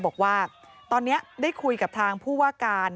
บอกว่าตอนนี้ได้คุยกับทางผู้ว่าการ